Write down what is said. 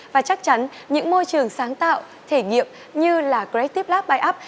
và chắc chắn những môi trường sáng tạo thể nghiệp như là creative lab bài áp